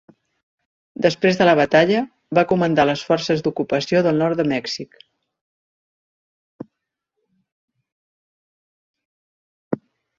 Després de la batalla, va comandar les forces d'ocupació del nord de Mèxic.